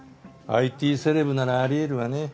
ＩＴセレブならあり得るわね。